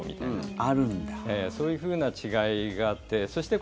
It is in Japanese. そういうふうな違いがあってそして